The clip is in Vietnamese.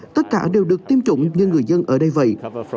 tất cả đều được tiêm chủng như người dân ở đây vậy